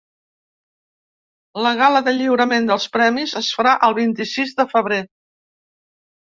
La gala de lliurament dels premis es farà el vint-i-sis de febrer.